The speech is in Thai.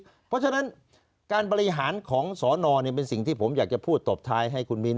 เพราะฉะนั้นการบริหารของสอนอเป็นสิ่งที่ผมอยากจะพูดตบท้ายให้คุณมิ้น